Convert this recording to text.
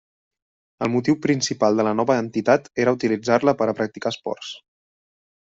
El motiu principal de la nova entitat era utilitzar-la per a practicar esports.